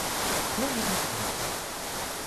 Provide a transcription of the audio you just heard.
เรื่องนี้มาจากไหน